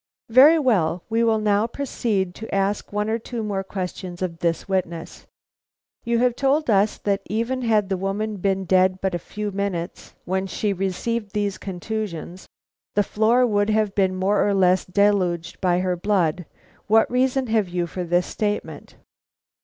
"Very good; we will now proceed to ask one or two more questions of this witness. You told us that even had the woman been but a few minutes dead when she received these contusions, the floor would have been more or less deluged by her blood. What reason have you for this statement?"